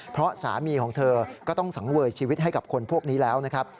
เพราะสามีของเธอก็ต้องสังเวยชีวิตให้กับคนพวกนี้แล้วนะครับ